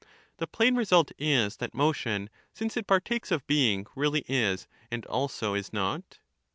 The plain result is that motion, since it partakes of STmAncBR. being, really is and also is not